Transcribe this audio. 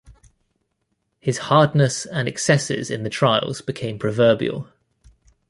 His hardness and excesses in the trials became proverbial.